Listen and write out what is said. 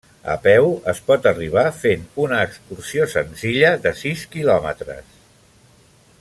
A peu es pot arribar fent una excursió senzilla de sis quilòmetres.